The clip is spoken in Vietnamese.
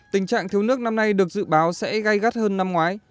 tình trạng thiếu nước năm nay được dự báo sẽ gai gắt hơn năm ngoái